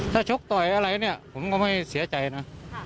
ถ้าชกต่อยอะไรเนี่ยผมก็ไม่เสียใจนะ